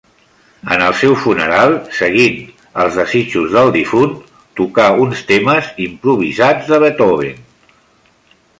En el seu funeral, seguint els desitjos del difunt, tocà uns temes improvisats de Beethoven.